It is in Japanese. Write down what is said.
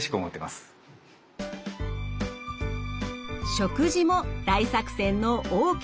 食事も大作戦の大きな柱です。